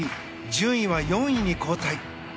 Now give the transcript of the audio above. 順位は４位に後退。